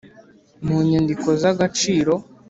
mu nyandiko z agaciro